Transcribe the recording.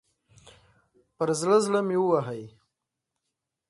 پر زړه، زړه مې ووهئ